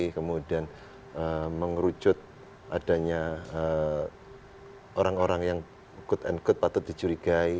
kemudian mengerucut adanya orang orang yang quote unquote patut dicurigai